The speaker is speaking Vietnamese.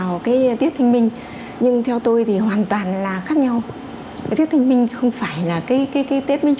ở đấy đúng như thế ạ